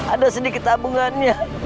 ada sedikit tabungannya